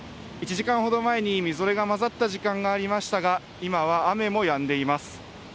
１時間ほど前にみぞれが混ざった時間もありましたが、今は雨もやんでいます。